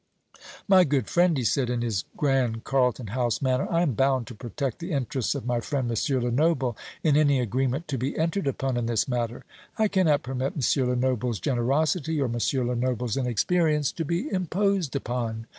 "My good friend," he said, in his grand Carlton House manner, "I am bound to protect the interests of my friend M. Lenoble, in any agreement to be entered upon in this matter. I cannot permit M. Lenoble's generosity or M. Lenoble's inexperience to be imposed upon.